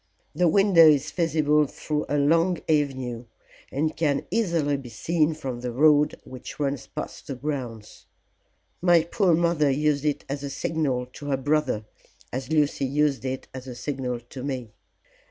The window is visible through a long avenue, and can easily be seen from the road which runs past the grounds. My poor mother used it as a signal to her brother, as Lucy used it as a signal to me.